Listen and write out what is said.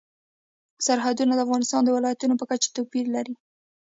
سرحدونه د افغانستان د ولایاتو په کچه توپیر لري.